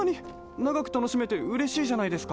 ながくたのしめてうれしいじゃないですか。